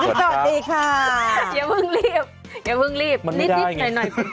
สวัสดีค่ะอย่าพึ่งรีบมันไม่ได้ไง